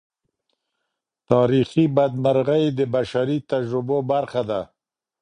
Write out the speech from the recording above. تاریخي بدمرغۍ د بشري تجربو برخه ده.